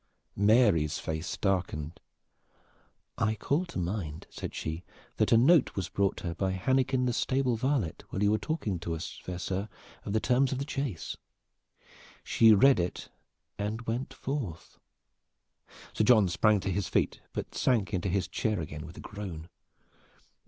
Mary's face darkened. "I call to mind," said she, "that a note was brought her by Hannekin the stable varlet when you were talking to us, fair sir, of the terms of the chase. She read it and went forth." Sir John sprang to his feet, but sank into his chair again with a groan.